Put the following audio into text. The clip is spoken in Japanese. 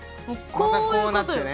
またこうなってね。